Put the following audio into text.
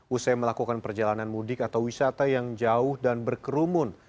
usai melakukan perjalanan mudik atau wisata yang jauh dan berkerumun